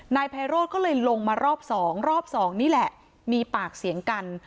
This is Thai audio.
นายไพโรธก็เลยลงมารอบสองรอบสองนี่แหละมีปากเสียงกัน